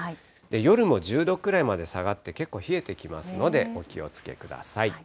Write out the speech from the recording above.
夜も１０度くらいまで下がって、結構冷えてきますのでお気をつけください。